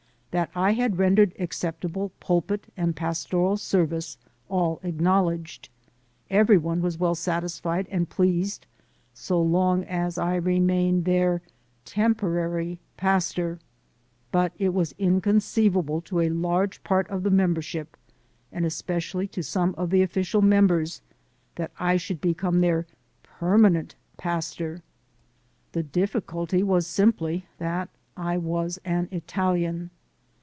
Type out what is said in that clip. That I had rendered acceptable pulpit and pastoral service all acknowl edged. Every one was well satisfied and pleased so long as I remained their temporary pastor, 212THE SOUL OF AN IMMIGRANT but it was inconceivable to a large part of the membership and especially to some of the official members, that I should become their permanent pastor. The difficulty was simply that I was an Italian.